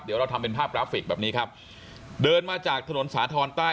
เดี๋ยวเราทำเป็นภาพกราฟิกแบบนี้ครับเดินมาจากถนนสาธรณ์ใต้